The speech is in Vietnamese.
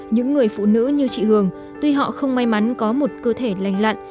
những người phụ nữ như chị hường tuy họ không may mắn có một cơ thể lành lặn